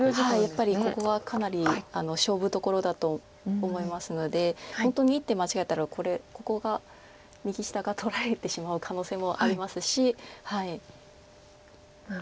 やっぱりここはかなり勝負どころだと思いますので本当に一手間違えたらこれここが右下が取られてしまう可能性もありますし。